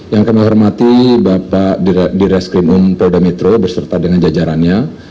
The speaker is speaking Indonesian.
yang kami hormati bapak direskrimum prodamitro beserta dengan jajarannya